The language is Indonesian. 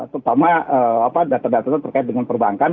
terutama data data terkait dengan perbankan